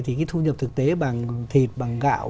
thì cái thu nhập thực tế bằng thịt bằng gạo